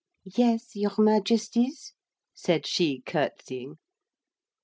'Yes, Your Majesties?' said she curtseying.